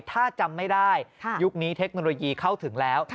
ถ้าจำไม่ได้ยุคนี้เทคโนโลยีเข้าถึงแล้ว